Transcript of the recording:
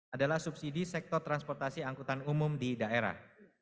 adalah subsidi sektor transportasi angkutan umum di daerah